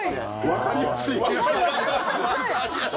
わかりやすい。